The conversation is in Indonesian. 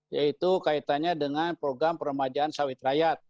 yaitu kaitannya dengan program peremajaan sawit rakyat